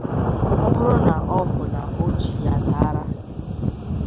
Ọ bụrụ na ọ hụ na ọ jị ya dara